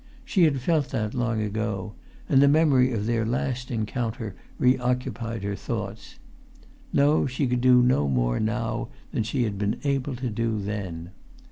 She had felt that long ago; and the memory of their last encounter reoccupied her thoughts. No, she could do no more now than she had been able to do then.